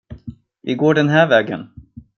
Vi går den här vägen.